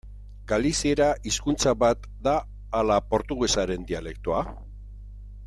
Galiziera hizkuntza bat da ala portugesaren dialektoa?